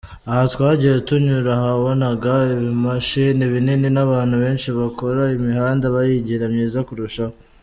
Aha twagiye tunyura wabonaga ibimashini binini n’abantu benshi bakora imihanda bayigira myiza kurushaho.